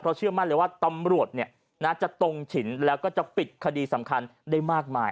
เชื่อมั่นเลยว่าตำรวจจะตรงฉินแล้วก็จะปิดคดีสำคัญได้มากมาย